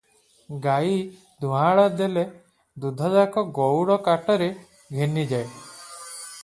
ଗାଈ ଦୁହାଁଳ ହେଲେ ଦୁଧଯାକ ଗଉଡ କାଟରେ ଘେନିଯାଏ ।